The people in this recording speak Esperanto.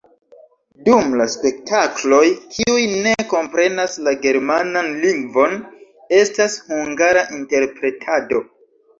Dum la spektakloj kiuj ne komprenas la germanan lingvon, estas hungara interpretado.